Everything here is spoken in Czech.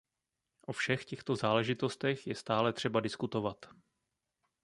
O všech těchto záležitostech je stále třeba diskutovat.